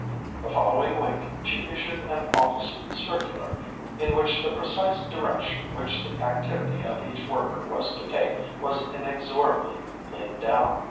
The following week she issued an office circular in which the precise direction which the activity of each worker was to take was inexorably laid down.